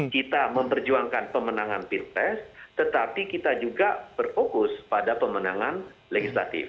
kita memperjuangkan pemenangan pilpres tetapi kita juga berfokus pada pemenangan legislatif